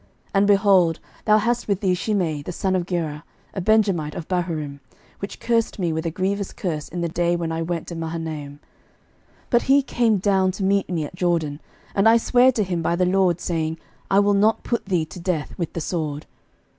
11:002:008 And, behold, thou hast with thee Shimei the son of Gera, a Benjamite of Bahurim, which cursed me with a grievous curse in the day when I went to Mahanaim: but he came down to meet me at Jordan, and I sware to him by the LORD, saying, I will not put thee to death with the sword.